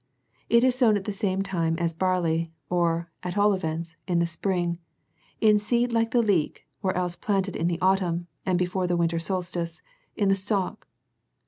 It is sown at the same time as barley, or, at all events, in the spring, in seed like the leek, or else planted in the autumn, and before the winter solstice, in the stalk.